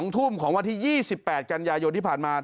ทุ่มของวันที่๒๘กันยายนที่ผ่านมา